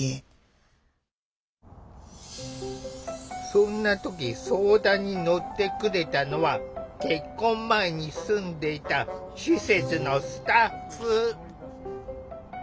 そんな時相談に乗ってくれたのは結婚前に住んでいた施設のスタッフ。